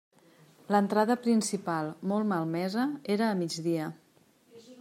L'entrada principal, molt malmesa, era a migdia.